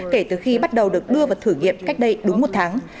kể từ khi bắt đầu được đưa vào thử nghiệm cách đây đúng một tháng